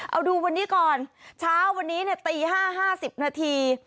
เอาดูวันนี้ก่อนเช้าวันนี้ตี๕๕๐นาที